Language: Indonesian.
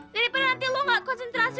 daripada nanti lo enggak konsentrasi